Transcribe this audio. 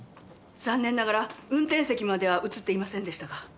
残念ながら運転席までは写っていませんでしたが。